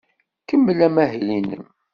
Kemmel amahil-nnem.